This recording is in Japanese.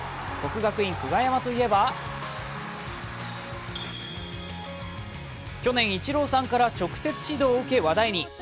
国学院久我山といえば去年、イチローさんから直接指導を受け話題に。